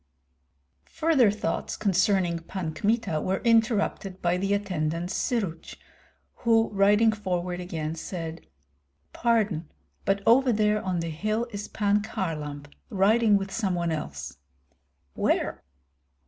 Further thoughts concerning Pan Kmita were interrupted by the attendant Syruts, who riding forward again said: "Pardon, but over there on the hill is Pan Kharlamp riding with some one else." "Where?"